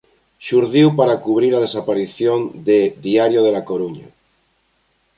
Xurdiu para cubrir a desaparición de "Diario de La Coruña".